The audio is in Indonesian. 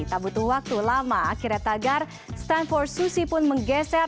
tak butuh waktu lama akhirnya tagar stand for susi pun menggeser